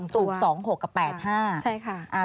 ถูกสองหกกับแปดห้า